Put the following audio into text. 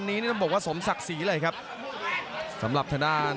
นี่ครับซ้าย